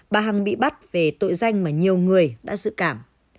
bà hằng bị bắt về tội danh mà nhiều người đã dự cảm